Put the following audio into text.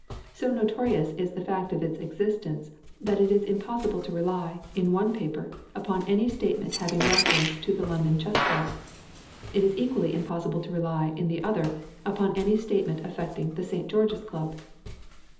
So notorious is the fact of its existence that it is impossible to rely, in one paper, upon any statement having reference to the London Chess Club; it is equally impossible to rely, in the other, upon any statement affecting the St. George's Club.